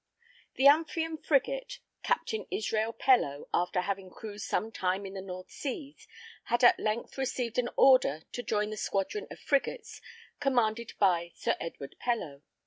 The Amphion frigate, Captain Israel Pellow, after having cruised some time in the North Seas, had at length received an order to join the squadron of frigates commanded by Sir Edward Pellow.